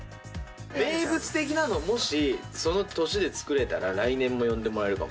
名物的なのをもしその年で作れたら来年も呼んでもらえるかも。